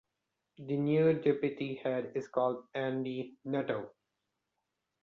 The new Deputy Head is called Andy Nuttal.